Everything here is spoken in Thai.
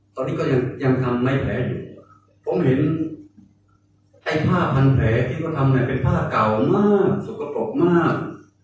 ตอนนี้ก็ยังยังทำในแผลอยู่ผมเห็นไอ้ผ้าพันแผลที่เขาทำเนี่ยเป็นผ้าเก่ามากสกปรกมาก